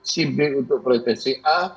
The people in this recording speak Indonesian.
si b untuk profesi a